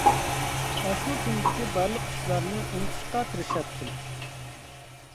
ئاشۇ كۈندىكى بارلىق ئىشلارنى ئۇنتۇشقا تىرىشاتتىم.